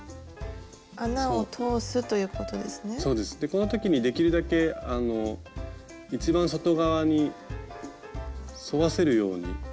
この時にできるだけあの一番外側に沿わせるように留めつけて。